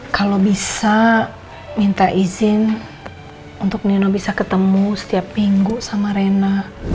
kalau bisa minta izin untuk neno bisa ketemu setiap minggu sama rena